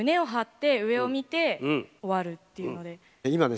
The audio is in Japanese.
今ね